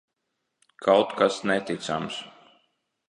Kaut kas neticams!